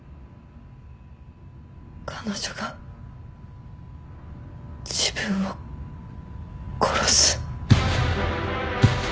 彼女が自分を殺す。